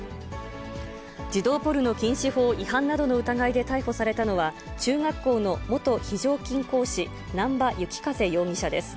児童ポルノ禁止法違反などの疑いで逮捕されたのは、中学校の元非常勤講師、難波幸風容疑者です。